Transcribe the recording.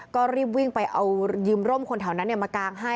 ก็รีบวิ่งไปเอายืมร่มคนแถวนั้นมากางให้